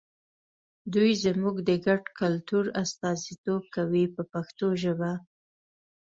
دوی زموږ د ګډ کلتور استازیتوب کوي په پښتو ژبه.